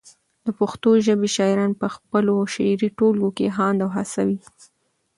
د پښتو ژبی شاعران پخپلو شعري ټولګو کي هاند او هڅه کوي